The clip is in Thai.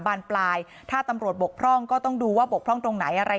บานปลายถ้าตำรวจบกพร่องก็ต้องดูว่าบกพร่องตรงไหนอะไร